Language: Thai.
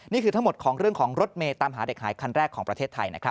นี่คือทั้งหมดของเรื่องของรถเมย์ตามหาเด็กหายคันแรกของประเทศไทย